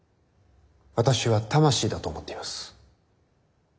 私は魂だと思っています。